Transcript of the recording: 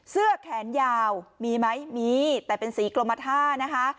เสื้อแขนยาวมีไหมมีแต่เป็นสีกรมท่านะคะ